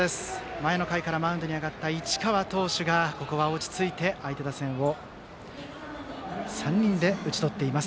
前の回からマウンドに上がった市川投手が相手打線を３人で打ち取っています。